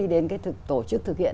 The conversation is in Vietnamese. đến cái tổ chức thực hiện